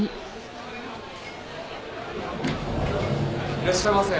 ・いらっしゃいませ。